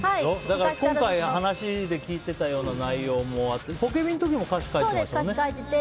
今回、話で聞いていたような内容もあってポケビの時も歌詞、書いてたよね。